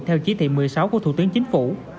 theo chỉ thị một mươi sáu của thủ tướng chính phủ